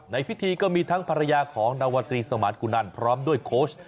ในพิธีก็มีทั้งภรรยาของนวตรีสมานกุนันพร้อมด้วยโค้ช